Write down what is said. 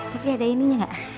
tapi ada ininya gak